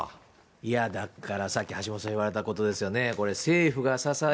いや、だからさっき橋本さん言われたことですよね、これ、政府が支え、